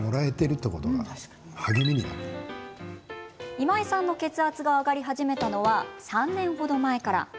今井さんの血圧が上がり始めたのは３年程前から。